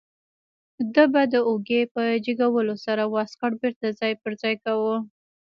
ده به د اوږې په جګولو سره واسکټ بیرته ځای پر ځای کاوه.